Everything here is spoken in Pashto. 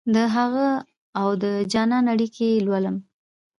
دهغه اودجانان اړیکې لولم